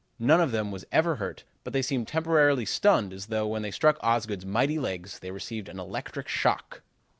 None of them was ever hurt, but they seemed temporarily stunned as though, when they struck Osgood's mighty legs, they received an electric shock.